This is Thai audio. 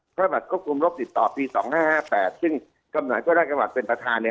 พระบาทควบคุมโรคติดต่อภีร์๒๕๕๘ซึ่งกำหนดกล้าจำนวนเป็นประธาน